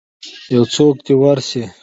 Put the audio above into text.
یوڅوک دی ورشئ